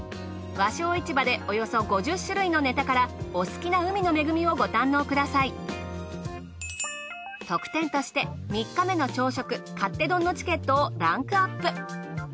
和商市場でおよそ５０種類のネタからお好きな海の恵をご堪能ください特典として３日目の朝食勝手丼のチケットをランクアップ